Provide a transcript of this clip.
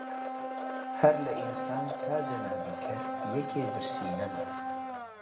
هەر لە ئینسان تا جەنابی کەر یەکێ برسی نەما